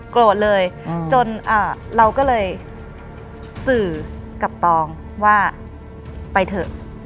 โกรธเลยจนเราก็เลยสื่อกับตองว่าไปเถอะ